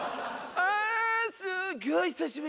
ああすごい久しぶり。